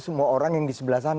semua orang yang di sebelah sana